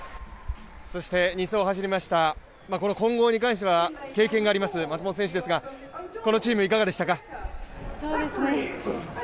そして２走を走りました、この混合に関しては経験があります、松本選手ですがこのチームはいかがでしたか？